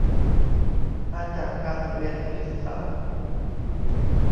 มาจากการเรียนคณิตศาสตร์